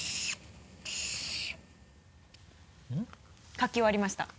書き終わりました。